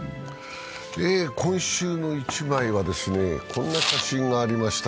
今週の一枚は、こんな写真がありました。